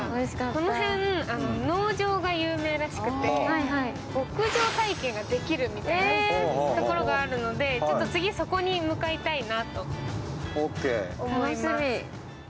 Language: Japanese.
この辺、農場が有名らしくて、牧場体験ができるみたいなところがあるので、次はそこに向かいたいと思います。